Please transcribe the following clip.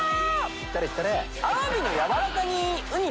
いったれいったれ！